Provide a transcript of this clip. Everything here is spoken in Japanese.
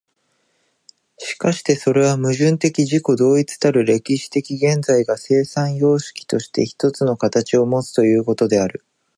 しかしてそれは矛盾的自己同一たる歴史的現在が、生産様式として一つの形をもつということである。